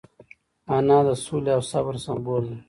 انا د سولې او صبر سمبول ده